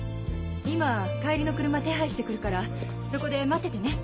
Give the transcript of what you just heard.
今帰りの車手配して来るからそこで待っててね。